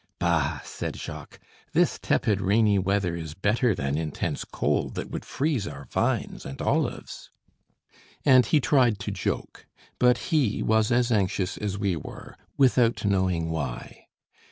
"Bah!" said Jacques, "this tepid rainy weather is better than intense cold that would freeze our vines and olives." And he tried to joke. But he was as anxious as we were, without knowing why.